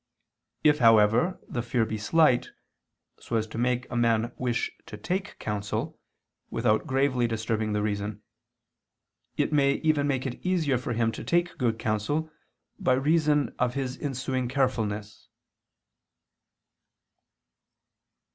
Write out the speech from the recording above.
If, however, the fear be slight, so as to make a man wish to take counsel, without gravely disturbing the reason; it may even make it easier for him to take good counsel, by reason of his ensuing carefulness.